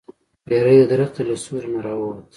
پیری د درخت له سوری نه راووت.